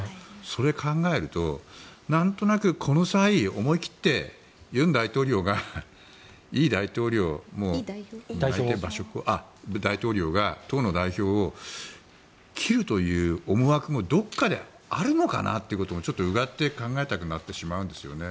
それを考えるとなんとなくこの際、思い切って尹大統領がイ代表、党の代表を切るという思惑もどこかであるのかなっていうこともちょっとうがって考えたくもなってしまうんですよね。